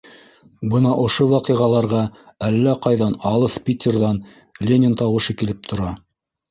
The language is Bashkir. Бына ошо ваҡиғаларға әллә ҡайҙан, алыҫ Питерҙан, Ленин тауышы килеп тора.